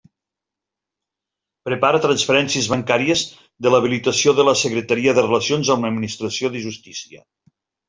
Prepara transferències bancàries de l'habilitació de la Secretaria de Relacions amb l'Administració de Justícia.